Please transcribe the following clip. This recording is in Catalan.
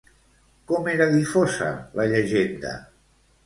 Com era difosa la llegenda?